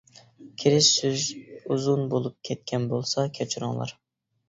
، كىرىش سۆز ئۇزۇن بولۇپ كەتكەن بولسا كەچۈرۈڭلار.